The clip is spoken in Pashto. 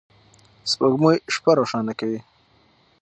سپوږمۍ شپه روښانه کوي.